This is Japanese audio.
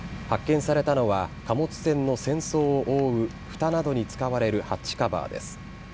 発見されたのは貨物船の船倉を覆うふたなどに使われるハッチカバーです。